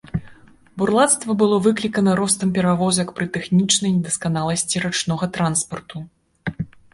Бурлацтва было выклікана ростам перавозак пры тэхнічнай недасканаласці рачнога транспарту.